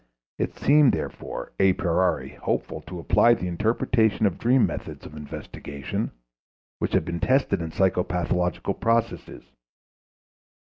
It seemed, therefore, a priori, hopeful to apply to the interpretation of dreams methods of investigation which had been tested in psychopathological processes.